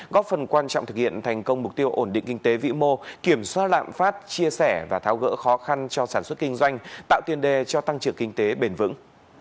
góp phần quan trọng thực hiện thành công mục tiêu ổn định kinh tế vĩ mô kiểm soát lạm phát chia sẻ và tháo gỡ khó khăn cho sản xuất kinh doanh tạo tiền đề cho tăng trưởng kinh tế bền vững